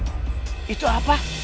eh itu apa